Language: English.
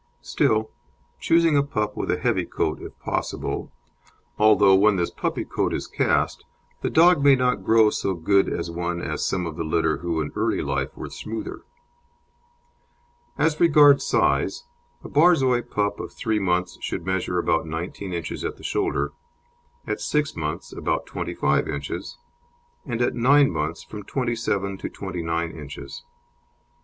Still, choose a pup with a heavy coat, if possible, although when this puppy coat is cast, the dog may not grow so good as one as some of the litter who in early life were smoother. As regards size, a Borzoi pup of three months should measure about 19 inches at the shoulder, at six months about 25 inches, and at nine months from 27 to 29 inches.